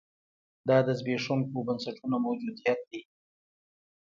دا د زبېښونکو بنسټونو موجودیت دی.